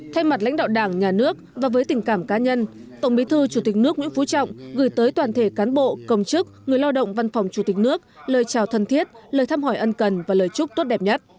thay mặt lãnh đạo đảng nhà nước và với tình cảm cá nhân tổng bí thư chủ tịch nước nguyễn phú trọng gửi tới toàn thể cán bộ công chức người lao động văn phòng chủ tịch nước lời chào thân thiết lời thăm hỏi ân cần và lời chúc tốt đẹp nhất